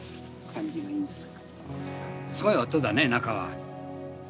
すごい音だね中は。